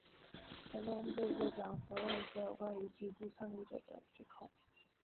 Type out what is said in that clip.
交通部部长否认了所有有关袭击抗议者的指控。